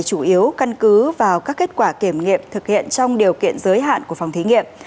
chủ yếu căn cứ vào các kết quả kiểm nghiệm thực hiện trong điều kiện giới hạn của phòng thí nghiệm